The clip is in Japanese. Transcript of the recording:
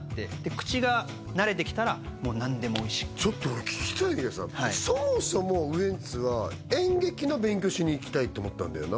口が慣れてきたらもう何でもおいしいちょっと俺聞きたいんだけどさそもそもウエンツは演劇の勉強をしにいきたいと思ったんだよな